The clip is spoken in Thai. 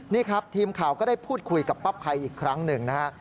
นี่ครับทีมข่าวก็ได้พูดคุยกับป้าภัยอีกครั้งหนึ่งนะฮะ